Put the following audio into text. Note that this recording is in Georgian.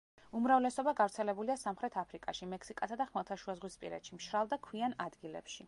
უმრავლესობა გავრცელებულია სამხრეთ აფრიკაში, მექსიკასა და ხმელთაშუაზღვისპირეთში, მშრალ და ქვიან ადგილებში.